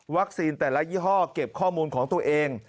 แต่ละยี่ห้อเก็บข้อมูลของตัวเอง